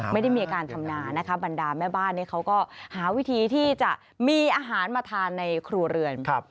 ไม่ได้มีอาการทำนานะคะบรรดาแม่บ้านเขาก็หาวิธีที่จะมีอาหารมาทานในครัวเรือน